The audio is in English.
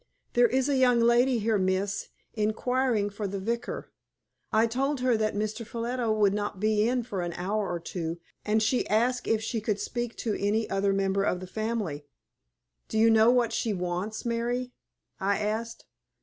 "There is a young lady here, miss, inquiring for the Vicar. I told her that Mr. Ffolliot would not be in for an hour or two, and she asked if she could speak to any other member of the family." "Do you know what she wants, Mary?" I asked.